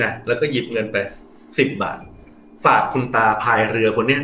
แล้วก็หยิบเงินไปสิบบาทฝากคุณตาพายเรือคนนี้